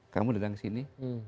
kamu datang ke sini